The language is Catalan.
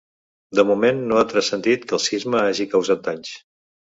De moment no ha transcendit que el sisme hagi causat danys.